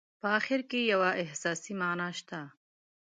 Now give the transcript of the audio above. په اخر کې یوه احساسي معنا شته.